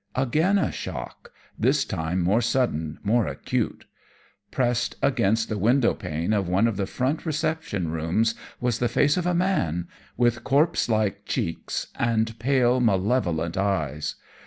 Again a shock this time more sudden, more acute. Pressed against the window pane of one of the front reception rooms was the face of a man with corpse like cheeks and pale, malevolent eyes.